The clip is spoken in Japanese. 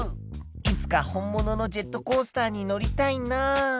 いつか本物のジェットコースターに乗りたいな。